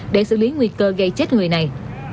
để xử lý nguy cơ gây chết người này